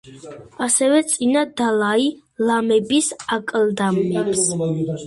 ასევე წინა დალაი ლამების აკლდამებს.